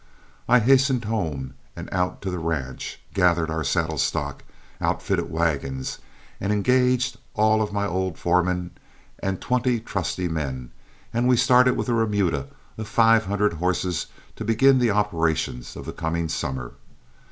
I hastened home and out to the ranch, gathered our saddle stock, outfitted wagons, and engaged all my old foremen and twenty trusty men, and we started with a remuda of five hundred horses to begin the operations of the coming summer.